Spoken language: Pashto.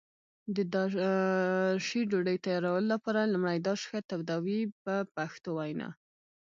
د داشي ډوډۍ تیارولو لپاره لومړی داش ښه تودوي په پښتو وینا.